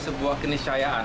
sebuah perusahaan yang berhasil